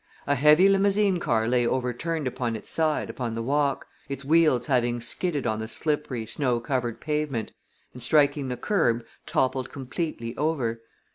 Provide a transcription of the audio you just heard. A heavy limousine car lay overturned upon its side upon the walk, its wheels having skidded on the slippery, snow covered pavement, and striking the curb, toppled completely over.